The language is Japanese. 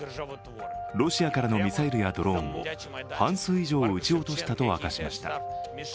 ロシアからのミサイルやドローンを半数以上撃ち落としたと明かしました。